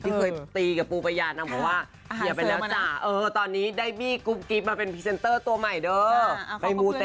ที่เคยตีกับปูปะยานนางบอกว่า